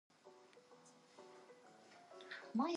My father is your teacher.